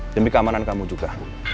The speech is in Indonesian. demi keamanan kamu juga